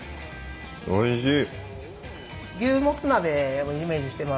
おいしい！